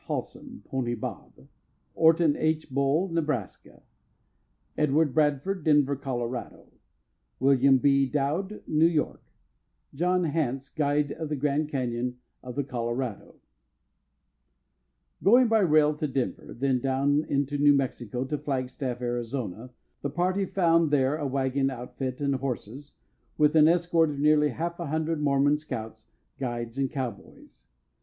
Haslam (Pony Bob); Horton S. Boal, Nebraska; Edward Bradford, Denver, Colo.; William B. Dowd, New York; John Hance, Guide of Grand Cañon of the Colorado. [Illustration: BUFFALO BILL'S LASSO TO THE RESCUE.] Going by rail to Denver, then down into New Mexico to Flagstaff, Arizona, the party found there a wagon outfit and horses, with an escort of nearly half a hundred Mormon scouts, guides, and cowboys.